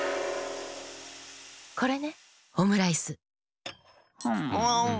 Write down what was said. これねオムライス。